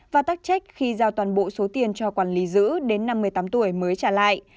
và tắc trách khi giao toàn bộ số tiền cho quản lý giữ đến năm mươi tám tuổi mới trả lại